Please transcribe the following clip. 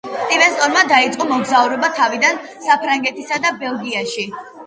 სტივენსონმა დაიწყო მოგზაურობა, თავიდან საფრანგეთსა და ბელგიაში.